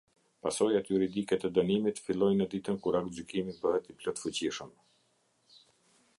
Pasojat juridike të dënimit fillojnë në ditën kur aktgjykimi bëhet i plotfuqishëm.